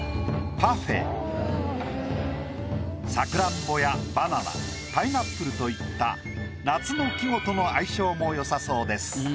サクランボやバナナパイナップルといった夏の季語との相性もよさそうです。